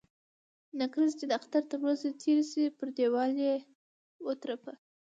نکريزي چې د اختر تر ورځي تيري سي ، پر ديوال يې و ترپه.